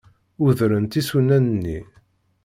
Udrent isunan-nni.